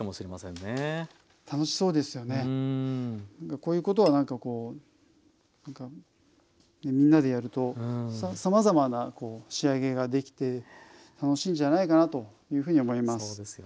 こういうことはなんかこうみんなでやるとさまざまな仕上げができて楽しいんじゃないかなというふうに思います。